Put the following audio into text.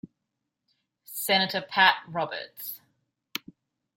Senator Pat Roberts.